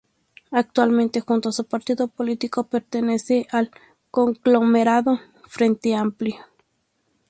Actualmente, junto a su partido político pertenece al conglomerado Frente Amplio.